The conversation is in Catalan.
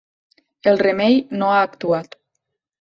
El remei no ha actuat.